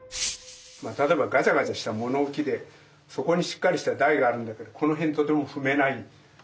例えばガチャガチャした物置でそこにしっかりした台があるんだけどこの辺とても踏めない。